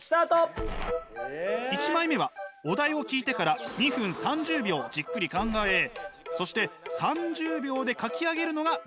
１枚目はお題を聞いてから２分３０秒じっくり考えそして３０秒で描き上げるのがルール。